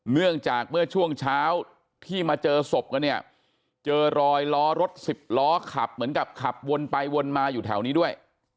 เนื่องจากเมื่อช่วงเช้าที่มาเจอศพกันเนี่ยเจอรอยล้อรถสิบล้อขับเหมือนกับขับวนไปวนมาอยู่แถวนี้ด้วย